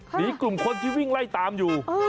กลุ่มคนที่วิ่งไล่ตามอยู่